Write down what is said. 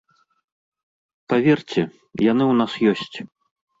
Паверце, яны ў нас ёсць.